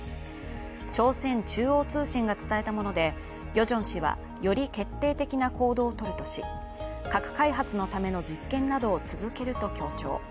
朝鮮中央通信が伝えたものでヨジョン氏はより決定的な行動をとるとし核開発のための実験などを続けると強調。